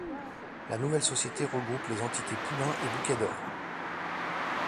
La nouvelle société regroupe les entités Poulain et Bouquet d'Or.